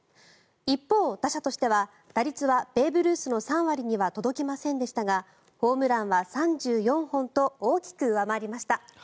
一方、打者としては打率はベーブ・ルースの３割には届きませんでしたがホームランは３４本と大きく上回りました。